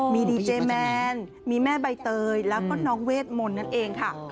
มีดีเจแมนมีแม่ใบเตยแล้วก็น้องเวทมนต์นั่นเองค่ะ